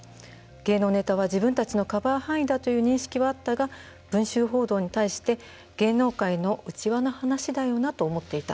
芸能ネタは自分たちのカバー範囲だという認識はあったが文春報道に対して芸能界の内輪の話だよなと思っていた。